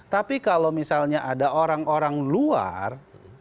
tapi kalau misalnya ada orang orang luar